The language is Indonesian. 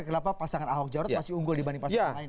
kenapa pasangan ahok jarot masih unggul dibanding pasangan lain